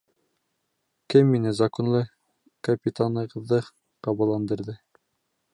Кем мине, законлы капитанығыҙҙы, ҡабаландырҙы?